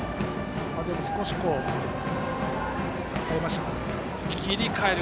でも少し変えましたね。